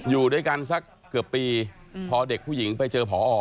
อยู่ด้วยกันสักเกือบปีพอเด็กผู้หญิงไปเจอผอ